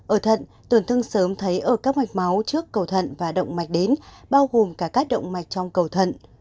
ở thận tổn thương sớm thấy ở các mạch máu trước cầu thận và động mạch đến bao gồm cả các động mạch trong cầu thận